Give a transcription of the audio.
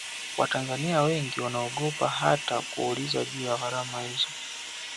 watanzania wengi wanaogopa hata kuuliza juu ya gharama hizo